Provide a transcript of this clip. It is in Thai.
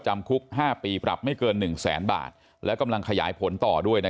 จำคุก๕ปีปรับไม่เกิน๑แสนบาทและกำลังขยายผลต่อด้วย